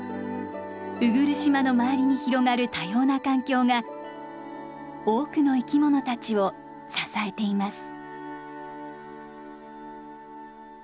鵜来島の周りに広がる多様な環境が多くの生き物たちを支えています。